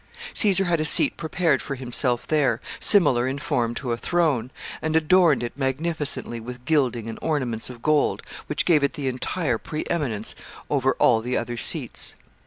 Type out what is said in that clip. Caesar had a seat prepared for himself there, similar in form to a throne, and adorned it magnificently with gilding and ornaments of gold, which gave it the entire pre eminence over all the other seats.